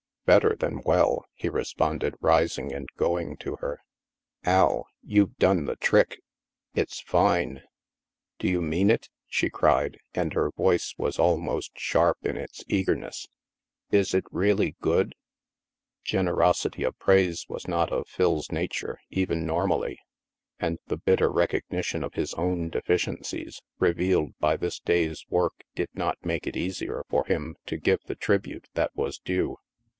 " Better than well," he responded, rising and go ing to her. " Al, you've done the trick ! It's fine." " Do you mean it ?" she cried, and her voice was almost sharp in its eagerness. " Is it really good ?" Generosity of praise was not of Phil's nature, even normally ; and the bitter recognition of his own deficiencies revealed by this day's work did not make it easier for him to give the tribute that was due.